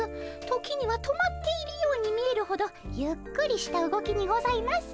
時には止まっているように見えるほどゆっくりした動きにございます。